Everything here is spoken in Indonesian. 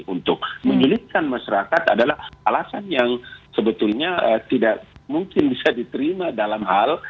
untuk menyulitkan masyarakat adalah alasan yang sebetulnya tidak mungkin bisa diterima dalam hal